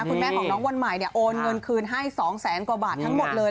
คุณแม่ของน้องวันใหม่โอนเงินคืนให้๒แสนกว่าบาททั้งหมดเลย